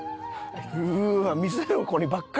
うわ。